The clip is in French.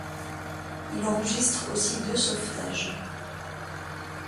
Il enregistre aussi deux sauvetages.